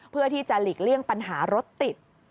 เพื่อที่จะหลีกเลี่ยงปัญหารถติด